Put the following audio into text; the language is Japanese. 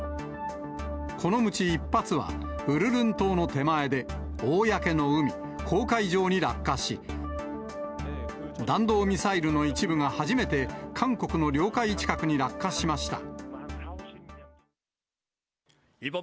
このうち１発は、ウルルン島の手前で、公の海・公海上に落下し、弾道ミサイルの一部が初めて韓国の領海近くに落下しました。